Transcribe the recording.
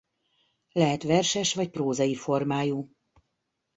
Lehet verses vagy prózai formájú.